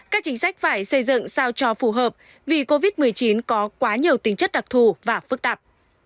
các chính sách phải xây dựng sao cho phù hợp vì covid một mươi chín có quá nhiều tính chất đặc thù và phức tạp